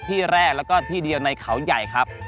ที่แรกแล้วก็ที่เดียวในเขาใหญ่ครับ